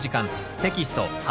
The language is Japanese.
テキスト８